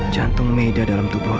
jantung meda dalam tubuh